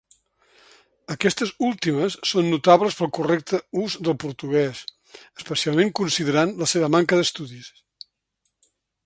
Aquestes últimes són notables pel correcte ús del portuguès, especialment considerant la seva manca d'estudis.